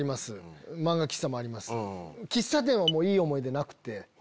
喫茶店はいい思い出なくて。